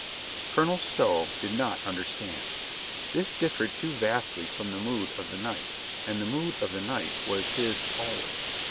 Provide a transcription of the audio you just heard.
Colonel Stow did not understand. This differed too vastly from the mood of the night, and the mood of the night was his always.